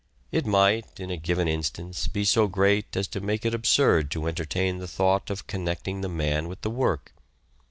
It might, in a given instance, be so great as to make it absurd to entertain the thought of connecting the man with the work.